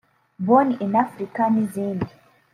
Born in Africa n’izindi